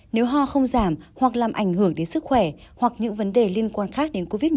nếu ho không giảm hoặc làm ảnh hưởng đến sức khỏe hoặc những vấn đề liên quan khác đến covid một mươi